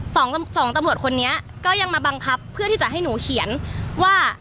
สองสองตำรวจคนนี้ก็ยังมาบังคับเพื่อที่จะให้หนูเขียนว่า